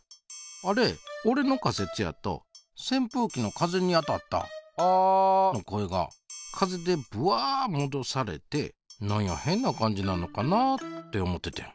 あれおれの仮説やとせんぷうきの風に当たった「あ」の声が風でブワもどされて何や変な感じになんのかなって思ててん。